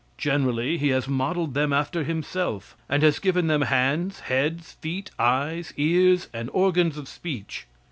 Generally he has modeled them after himself, and has given them hands, heads, feet, eyes, ears, and organs of speech.